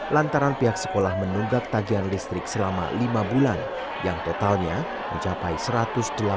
lantaran pihak sekolah menunggak tagihan listrik selama lima bulan yang totalnya mencapai satu ratus delapan puluh